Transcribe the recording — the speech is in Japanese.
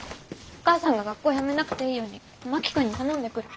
お母さんが学校辞めなくていいように真木君に頼んでくる。